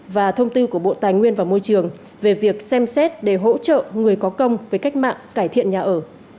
và thông tư của bộ tài nguyên và môi trường về việc xem xét để hỗ trợ người có công với cách mạng cải thiện nhà ở